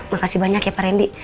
makasih banyak ya pak randy